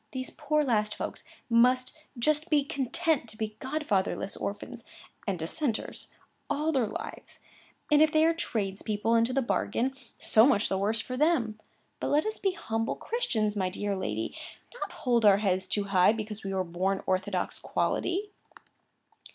These poor last folks must just be content to be godfatherless orphans, and Dissenters, all their lives; and if they are tradespeople into the bargain, so much the worse for them; but let us be humble Christians, my dear lady, and not hold our heads too high because we were born orthodox quality."